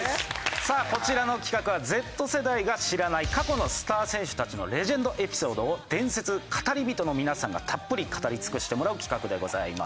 さあこちらの企画はＺ世代が知らない過去のスター選手たちのレジェンドエピソードを伝説語り人の皆さんがたっぷり語り尽くしてもらう企画でございます。